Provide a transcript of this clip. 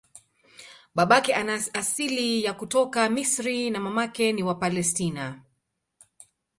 Babake ana asili ya kutoka Misri na mamake ni wa Palestina.